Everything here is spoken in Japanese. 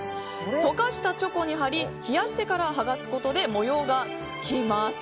溶かしたチョコに貼り冷やしてから剥がすことで模様がつきます。